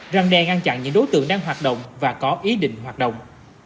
răng đe ngăn chặn những đối tượng đang hoạt động và có ý định hoạt động